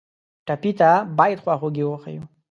ټپي ته باید خواخوږي وښیو.